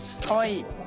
かわいい。